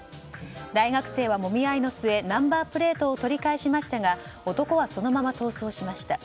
大学生は、もみ合いの末ナンバープレートを取り返しましたが男はそのまま逃走しました。